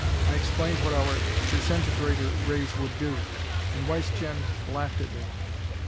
I explained what our disintegrator rays would do, and Wieschien laughed at me.